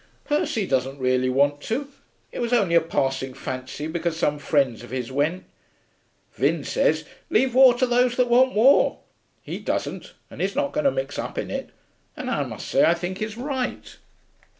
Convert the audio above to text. Percy doesn't really want to; it was only a passing fancy because some friends of his went. Vin says, leave war to those that want war; he doesn't, and he's not going to mix up in it, and I must say I think he's right.'